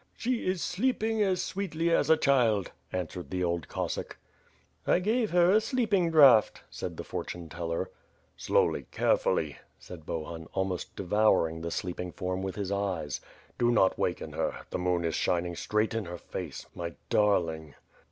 "She is sleeping as sweetly as a child," answered the old Cossack. "I gave her a sleeping draught," said the fortune teller. "Slowly, carefully/' said Bohun, almost devouring the sleeping form with his eyes. Do not waken her. The moon is shining straight in her face, my darling."